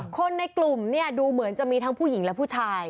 คนในกลุ่มเนี่ยดูเหมือนจะมีทั้งผู้หญิงและผู้ชาย